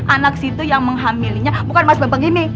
anak situ yang menghamilinya bukan mas bambang ini